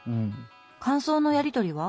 感想のやり取りは？